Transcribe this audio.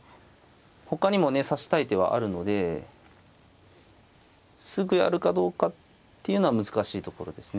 ほかにもね指したい手はあるのですぐやるかどうかっていうのは難しいところですね。